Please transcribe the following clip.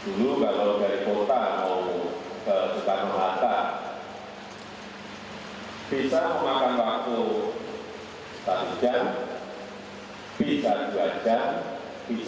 kenapa kereta bandara dari jakarta kota ke bukit tengah bandar bandar